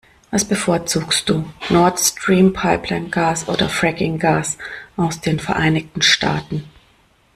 Was bevorzugst du, Nord-Stream-Pipeline-Gas oder Fracking-Gas aus den Vereinigten Staaten?